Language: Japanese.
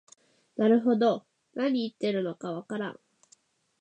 なるほど、なに言ってるのかわからん